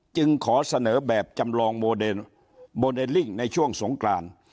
จึงขอเสนอแบบจำลองโมเดลโมเดลลิ่งในช่วงสงกราน